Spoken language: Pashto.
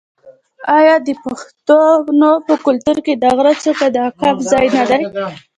آیا د پښتنو په کلتور کې د غره څوکه د عقاب ځای نه دی؟